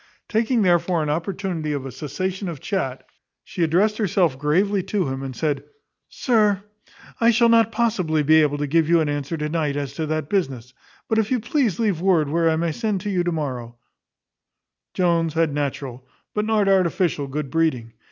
Taking therefore an opportunity of a cessation of chat, she addressed herself gravely to him, and said, "Sir, I shall not possibly be able to give you an answer to night as to that business; but if you please to leave word where I may send to you to morrow " Jones had natural, but not artificial good breeding.